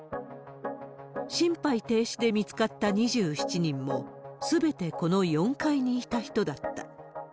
心肺停止で見つかった２７人も、すべてこの４階にいた人だった。